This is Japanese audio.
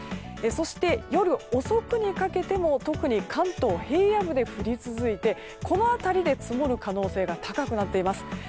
そして、夜遅くにかけても特に関東平野部で降り続いてこの辺りで積もる可能性が高くなっています。